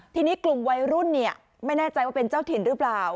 ทีนี้กลุ่มวัยรุ่นไม่แน่ใจว่าเป็นเจ้าถิ่นหรือเปล่า